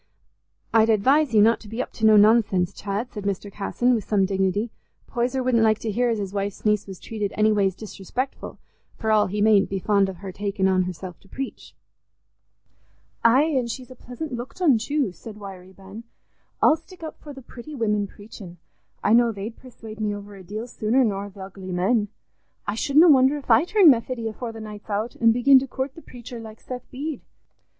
"I'd advise you not to be up to no nonsense, Chad," said Mr. Casson, with some dignity; "Poyser wouldn't like to hear as his wife's niece was treated any ways disrespectful, for all he mayn't be fond of her taking on herself to preach." "Aye, an' she's a pleasant looked un too," said Wiry Ben. "I'll stick up for the pretty women preachin'; I know they'd persuade me over a deal sooner nor th' ugly men. I shouldna wonder if I turn Methody afore the night's out, an' begin to coort the preacher, like Seth Bede."